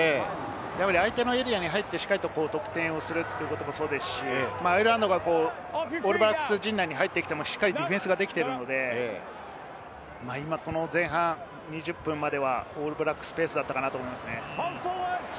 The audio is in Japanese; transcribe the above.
相手のエリアに入って、しっかり得点をするということもそうですし、アイルランドがオールブラックス陣内に入ってきてもディフェンスができているので、前半２０分まではオールブラックスペースだったと思いますね。